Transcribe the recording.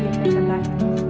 hẹn gặp lại